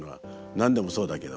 何でもそうだけど。